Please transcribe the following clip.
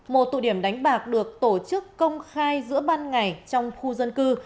một tụ điểm đánh bạc được tổ chức công khai giữa ban ngày trong khu dân cư